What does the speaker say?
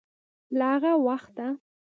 له هغه وخته